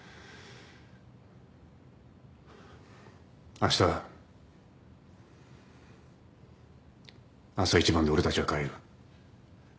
あした朝一番で俺たちは帰る。